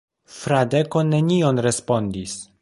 Fradeko nenion respondis.